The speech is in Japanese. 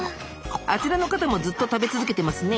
あちらの方もずっと食べ続けてますね。